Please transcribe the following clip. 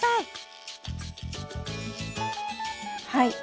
はい。